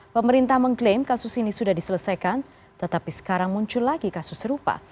pemerintah mengklaim kasus ini sudah diselesaikan tetapi sekarang muncul lagi kasus serupa